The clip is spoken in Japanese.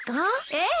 ええ。